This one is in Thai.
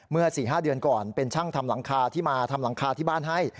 ๔๕เดือนก่อนเป็นช่างทำหลังคาที่มาทำหลังคาที่บ้านให้